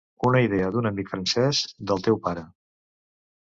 Una idea d’un amic francés del teu pare...